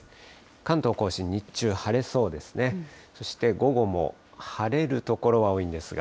関東甲信、日中晴れそうですね。